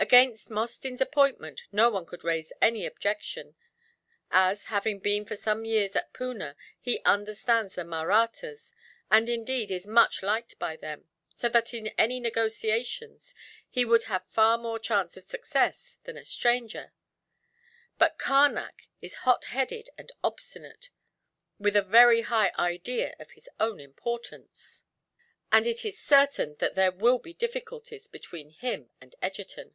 Against Mostyn's appointment no one could raise any objection as, having been for some years at Poona, he understands the Mahrattas, and indeed is much liked by them, so that in any negotiations he would have far more chance of success than a stranger; but Carnac is hot headed and obstinate, with a very high idea of his own importance, and it is certain that there will be difficulties between him and Egerton."